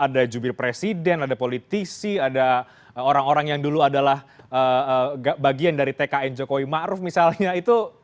ada jubil presiden ada politisi ada orang orang yang dulu adalah bagian dari tkn jokowi ma'ruf misalnya itu